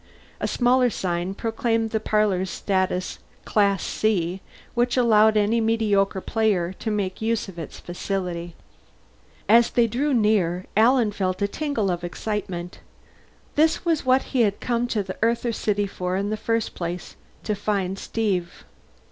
A smaller sign proclaimed the parlor's Class C status, which allowed any mediocre player to make use of its facilities. As they drew near Alan felt a tingle of excitement. This was what he had come to the Earther city for in the first place to find Steve.